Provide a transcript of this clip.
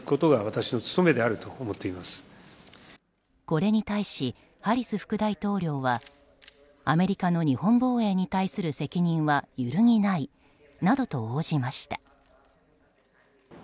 これに対し、ハリス副大統領はアメリカの日本防衛に対する責任は揺るぎないなどと応じました。